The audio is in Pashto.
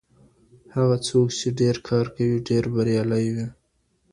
هغه څوک چي ډېر کار کوي ډېر بریالی وي.